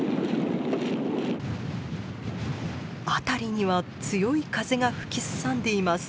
辺りには強い風が吹きすさんでいます。